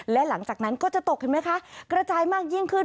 และหลังจากนั้นก็จะตกเห็นไหมคะกระจายมากยิ่งขึ้น